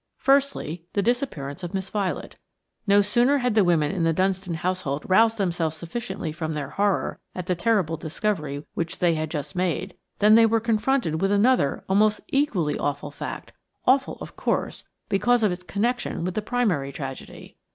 Firstly, the disappearance of Miss Violet. No sooner had the women in the Dunstan household roused themselves sufficiently from their horror at the terrible discovery which they had just made, than they were confronted with another almost equally awful fact–awful, of course, because of its connection with the primary tragedy.